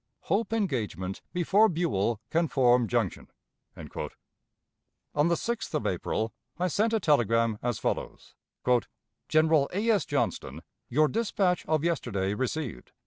"Hope engagement before Buell can form junction." On the 6th of April I sent a telegram as follows: "GENERAL A. S. JOHNSTON: Your dispatch of yesterday received.